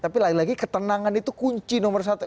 tapi lagi lagi ketenangan itu kunci nomor satu